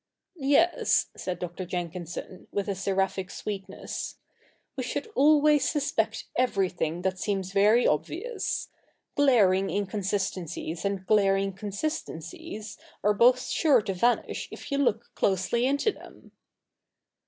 ' Yes,' said Dr. Jenkinson, with a seraphic sweetness, ' we should always suspect everything that seems very obvious. Glaring inconsistencies and glaring consistencies are both sure to vanish if you look closely into them.'